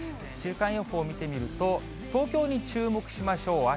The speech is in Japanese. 週間予報を見てみると、東京に注目しましょう。